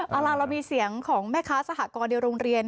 เอาล่ะเรามีเสียงของแม่ค้าสหกรณ์ในโรงเรียน